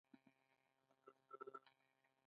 وسله د انسانیت ضد ده